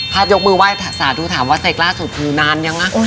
ยกมือไหว้สาธุถามว่าเซ็กล่าสุดคือนานยังอ่ะ